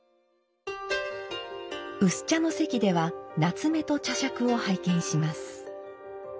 薄茶の席では棗と茶杓を拝見します。